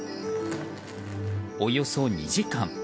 およそ２時間。